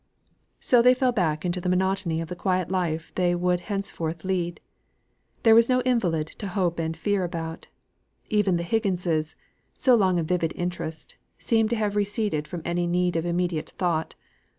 So they fell back into the monotony of the quiet life they would henceforth lead. There was no invalid to hope and fear about; even the Higginses so long a vivid interest seemed to have receded from any need of immediate thought.